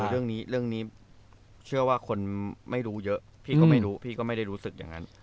เรื่องนี้เรื่องนี้เชื่อว่าคนไม่รู้เยอะพี่ก็ไม่รู้พี่ก็ไม่ได้รู้สึกอย่างนั้น